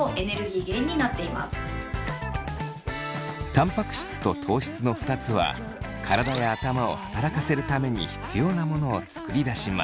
たんぱく質と糖質の２つは体や頭を働かせるために必要なものを作り出します。